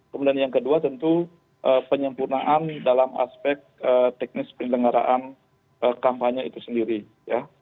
kemudian yang kedua tentu penyempurnaan dalam aspek teknis penyelenggaraan kampanye itu sendiri ya